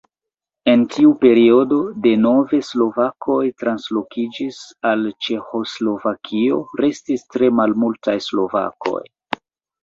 En tiu periodo denove slovakoj translokiĝis al Ĉeĥoslovakio, restis tre malmultaj slovakoj.